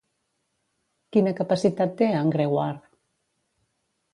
Quina capacitat té en Gregóire?